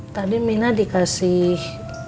tadi mina dikasih